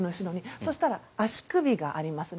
そしたら、足首がありますね。